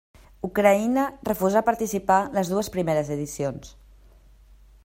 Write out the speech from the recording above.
Ucraïna refusà participar les dues primeres edicions.